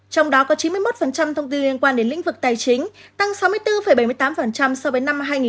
một trăm chín mươi một thông tin liên quan đến lĩnh vực tài chính tăng sáu mươi bốn bảy mươi tám so với năm hai nghìn hai mươi hai